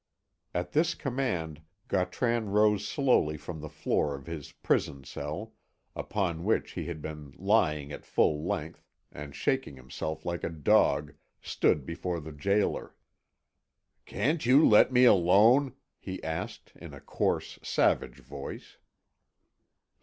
At this command Gautran rose slowly from the floor of his prison cell, upon which he had been lying at full length, and shaking himself like a dog, stood before the gaoler. "Can't you let me alone?" he asked, in a coarse, savage voice.